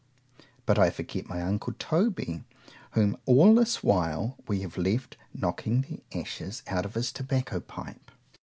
—— But I forget my uncle Toby, whom all this while we have left knocking the ashes out of his tobacco pipe.